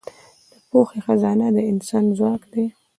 د پوهې خزانه د انسان ځواک ده.